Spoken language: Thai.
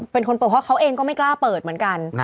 เป็นคนเปิดเพราะเขาเองก็ไม่กล้าเปิดเหมือนกัน